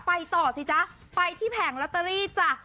ไปต่อสิจ๊ะไปที่แผงลอตเตอรี่จ้ะ